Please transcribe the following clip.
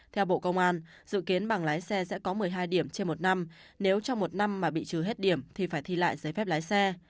theo bộ công an dự kiến bằng lái xe sẽ có một mươi hai điểm trên một năm nếu trong một năm mà bị trừ hết điểm thì phải thi lại giấy phép lái xe